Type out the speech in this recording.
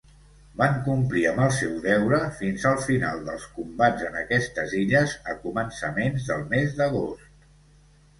Van complir amb el seu deure fins el final dels combats en aquestes illes a començaments del mes d'agost.